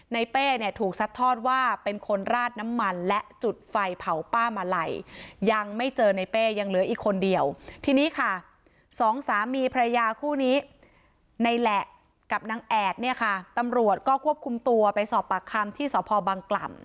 เป้เนี่ยถูกซัดทอดว่าเป็นคนราดน้ำมันและจุดไฟเผาป้ามาลัยยังไม่เจอในเป้ยังเหลืออีกคนเดียวทีนี้ค่ะสองสามีภรรยาคู่นี้ในแหละกับนางแอดเนี่ยค่ะตำรวจก็ควบคุมตัวไปสอบปากคำที่สพบังกล่ำ